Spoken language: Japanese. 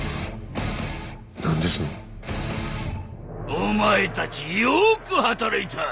お前たちよく働いた！